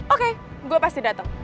oke gue pasti dateng